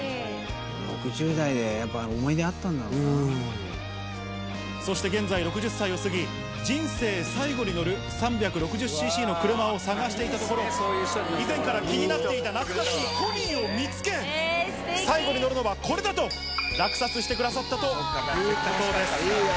６０代でやっぱ、そして現在６０歳を過ぎ、人生最後に乗る３６０ｃｃの車を探していたところ、以前から気になっていた懐かしいコニーを見つけ、最後に乗るのはこれだと、落札してくださったということです。